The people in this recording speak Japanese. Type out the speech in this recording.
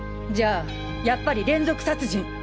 じゃあやっぱり連続殺人！